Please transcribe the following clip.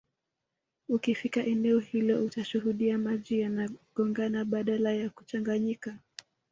Ukifika eneo hilo utashuhudia maji yanagongana badala ya kuchanganyika